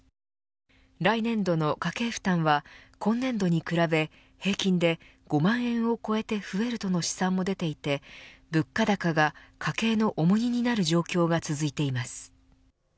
来年度の家計負担は今年度に比べ、平均で５万円を超えて増えるとの試算も出ていて物価高が家計の重荷になる状況が続いています。